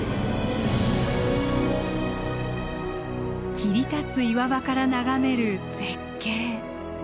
切り立つ岩場から眺める絶景。